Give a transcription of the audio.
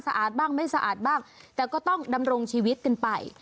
อาดบ้างไม่สะอาดบ้างแต่ก็ต้องดำรงชีวิตกันไป